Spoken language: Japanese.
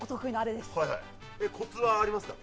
コツはありますか？